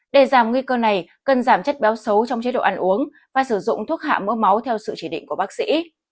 để giảm nguy cơ này cần giảm chất béo xấu trong chế độ ăn uống và sử dụng thuốc hạ mỡ máu theo sự chỉ định của bác sĩ